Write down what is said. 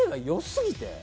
良すぎて。